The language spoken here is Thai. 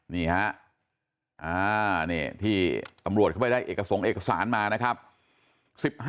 นี่ห้ะที่อำรวจเข้าไปได้ส่งเอกสารมานะครับ